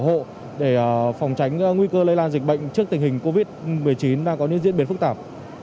các hộ để phòng tránh nguy cơ lây lan dịch bệnh trước tình hình covid một mươi chín đang có những diễn biến phức tạp